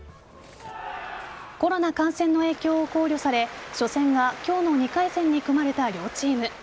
コロナ感染の影響を考慮され初戦が今日の２回戦に組まれた両チーム。